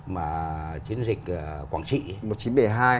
mà chiến dịch quảng trị